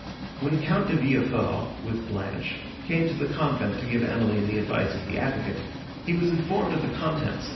When Count de Villefort, with Blanche, came to the convent to give Emily the advice of the advocate, he was informed of the contents of M.